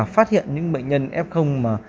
phát hiện những bệnh nhân f mà